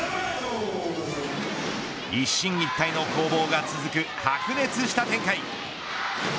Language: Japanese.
一進一退の攻防が続く白熱した展開。